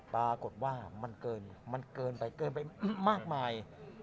ปรากฏว่ามันเกินไปมากมาย